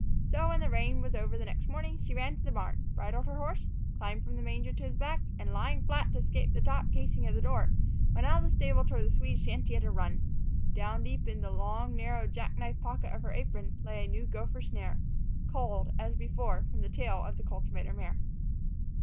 So, when the rain was over next morning, she ran to the barn, bridled her horse, climbed from the manger to his back, and, lying flat to escape the top casing of the door, went out of the stable toward the Swede shanty at a run. Down deep in the long, narrow, jack knife pocket of her apron lay a new gopher snare, culled, as before, from the tail of the cultivator mare.